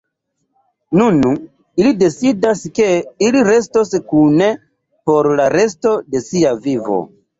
Nun ili decidas, ke ili restos kune por la resto de sia vivo.